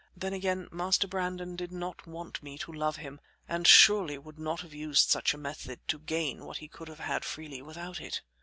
Then again, Master Brandon did not want me to love him, and surely would not have used such a method to gain what he could have had freely without it."